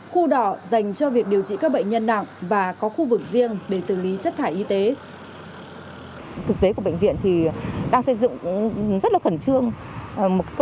khu đỏ dành cho việc điều trị các bệnh nhân nặng và có khu vực riêng để xử lý chất thải y tế